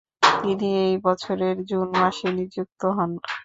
তিনি এই বছরের জুন মাসে নিযুক্ত হন।